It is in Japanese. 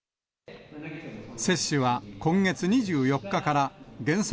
接種は今月２４日から原則、